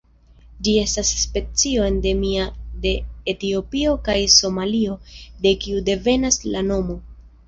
Ĝi estas specio endemia de Etiopio kaj Somalio, de kio devenas la nomo.